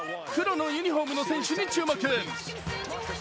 黒のユニフォームの選手に注目。